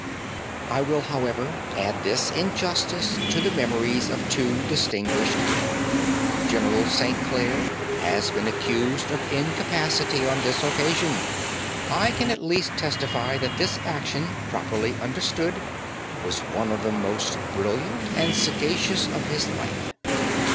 I will, however, add this in justice to the memories of two distinguished men. General St. Clare has been accused of incapacity on this occasion; I can at least testify that this action, properly understood, was one of the most brilliant and sagacious of his life.